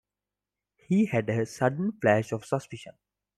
He had a sudden flash of suspicion.